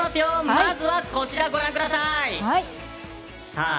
まずは、こちらご覧ください！